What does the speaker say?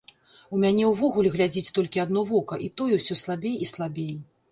У мяне ўвогуле глядзіць толькі адно вока, і тое ўсё слабей і слабей.